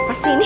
siapa sih ini